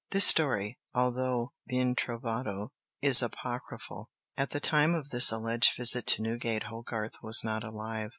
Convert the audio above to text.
This story, although ben trovato, is apocryphal. At the time of this alleged visit to Newgate Hogarth was not alive.